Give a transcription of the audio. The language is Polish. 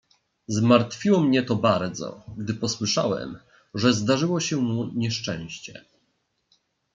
"Zmartwiło mnie to bardzo, gdy posłyszałem, że zdarzyło mu się nieszczęście."